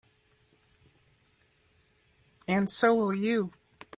And so will you.